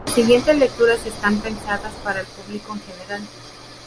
Las siguientes lecturas están pensadas para el público en general.